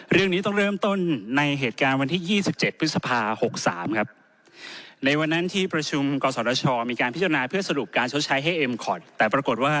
เรื่องนี้ต้องเริ่มต้นในเหตุการณ์วันที่๒๗พฤษภา๖๓ครับ